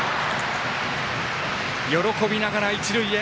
喜びながら、一塁へ。